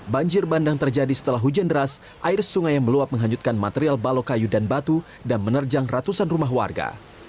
banjir bandang terjadi setelah hujan deras air sungai yang meluap menghanyutkan material balok kayu dan batu dan menerjang ratusan rumah warga